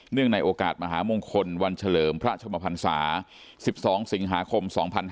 ในโอกาสมหามงคลวันเฉลิมพระชมพันศา๑๒สิงหาคม๒๕๕๙